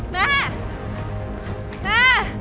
แม่แม่